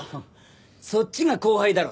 そっちが後輩だろ。